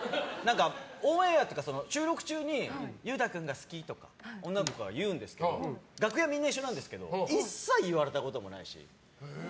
オンエアっていうか、収録中に裕太君が好き！とか女の子から言うんですけど楽屋みんな一緒なんですけど一切言われたこともないし。